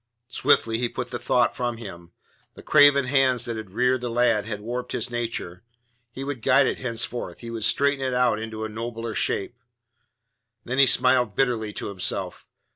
Swiftly he put the thought from him. The craven hands that had reared the lad had warped his nature; he would guide it henceforth; he would straighten it out into a nobler shape. Then he smiled bitterly to himself.